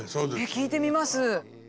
聴いてみます。